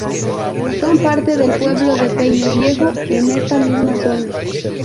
Son parte del pueblo de Peine Viejo en esta misma zona.